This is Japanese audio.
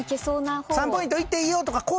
「３ポイントいっていいよ」とか。